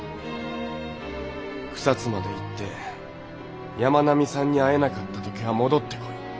草津まで行って山南さんに会えなかった時は戻ってこい。